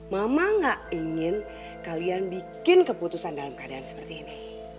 mama gak ingin kalian bikin keputusan dalam keadaan seperti ini